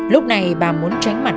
lúc này bà muốn tránh mặt